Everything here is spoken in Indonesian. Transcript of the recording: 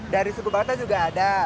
dari suku bata juga ada